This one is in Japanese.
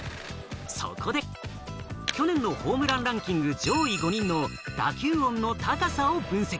そこで去年のホームランランキング上位５人の打球音の高さを分析。